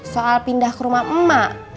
soal pindah ke rumah emak emak